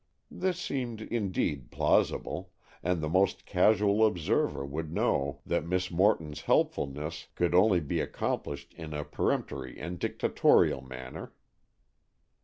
This seemed indeed plausible, and the most casual observer would know that Miss Morton's "helpfulness" could only be accomplished in a peremptory and dictatorial manner.